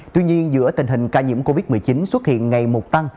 tuy nhiên giữa tình hình ca nhiễm covid một mươi chín xuất hiện ngày một tăng